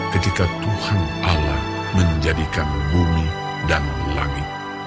ketika tuhan allah menjadikan bumi dan langit